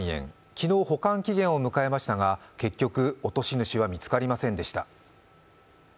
昨日、保管期限を迎えましたが結局、落とし主は見つかりませんでした。